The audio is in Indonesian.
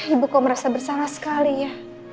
ibu kau merasa bersalah sekali ya